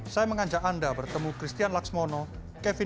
saya mengajak anda bertemu christian laksmono kevin